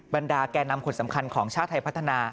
บรรดาแก่นำคนสำคัญของชาติไทยพัฒนา